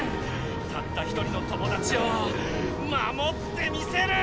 たった１人の友だちをまもってみせる！